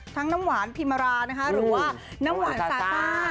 น้ำหวานพิมรานะคะหรือว่าน้ำหวานซาซ่า